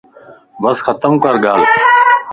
بس ختم ڪر ڳالھک